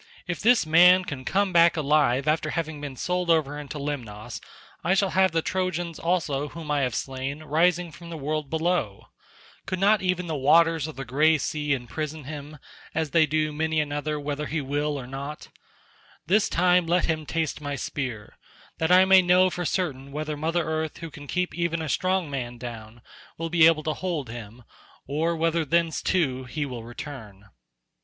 If this man can come back alive after having been sold over into Lemnos, I shall have the Trojans also whom I have slain rising from the world below. Could not even the waters of the grey sea imprison him, as they do many another whether he will or no? This time let him taste my spear, that I may know for certain whether mother earth who can keep even a strong man down, will be able to hold him, or whether thence too he will return."